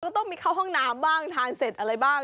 ต้องมีเข้าห้องน้ำบ้างทานเสร็จอะไรบ้าง